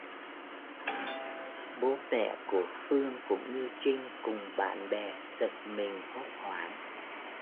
Bố mẹ của Pương cũng như Trinh cùng bạn bè giật mình hốt hoảng